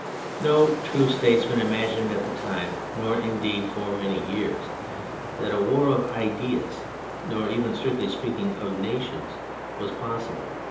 No true statesman imagined at the time, nor, indeed, for many years, that a war of ideaSy nor even, strictly speaking, of nations, was possible.